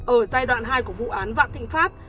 ở giai đoạn hai của vụ án vạn thịnh pháp